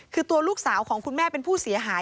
คือตัวลูกสาวของคุณแม่เป็นผู้เสียหาย